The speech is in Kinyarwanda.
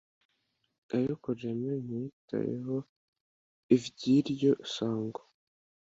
ariko Jammeh ntiyitayeho ivyiryo sango